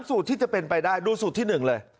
สูตรที่จะเป็นไปได้ดูสูตรที่๑เลย